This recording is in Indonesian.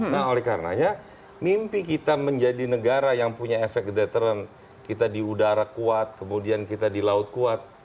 nah oleh karenanya mimpi kita menjadi negara yang punya efek deteren kita di udara kuat kemudian kita di laut kuat